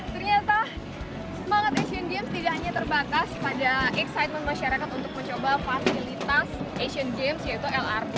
ternyata semangat asian games tidak hanya terbatas pada excitement masyarakat untuk mencoba fasilitas asian games yaitu lrt